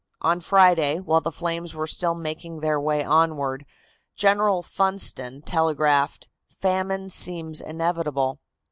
On Friday, while the flames were still making their way onward, General Funston telegraphed: "Famine seems inevitable."